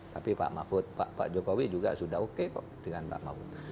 tapi pak mahfud pak jokowi juga sudah oke kok dengan pak mahfud